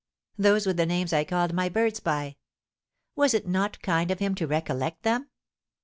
"' (Those were the names I called my birds by. Was it not kind of him to recollect them?)